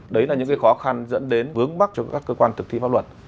đấy là những khó khăn dẫn đến vướng mắc cho các cơ quan thực thi pháp luật